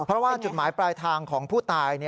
เพราะว่าจุดหมายปลายทางของผู้ตาย